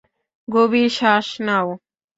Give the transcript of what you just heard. গভীর শ্বাস নাও।